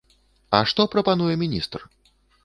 А што прапануе міністр?